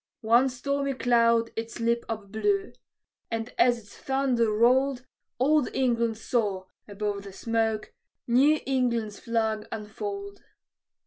One stormy cloud its lip upblew; and as its thunder rolled, Old England saw, above the smoke, New England's flag unfold.